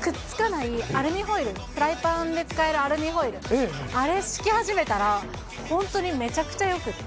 くっつかないアルミホイル、フライパンで使えるアルミホイル、あれ敷き始めたら、本当にめちゃくちゃよくって。